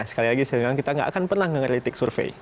sekali lagi saya bilang kita nggak akan pernah ngeretik survei